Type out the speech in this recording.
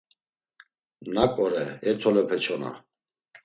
Nak ore e tolepe çona?